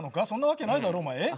そんなわけないだろお前？